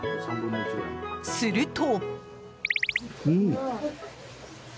すると。